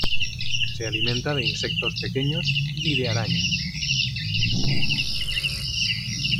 Se alimenta de insectos pequeños y de arañas.